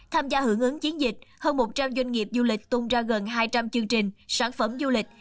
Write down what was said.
tham gia hưởng ứng chiến dịch hơn một trăm linh doanh nghiệp du lịch tung ra gần hai trăm linh chương trình sản phẩm du lịch